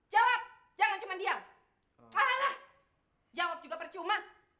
jawab jangan cuma diam salah jawab juga percuma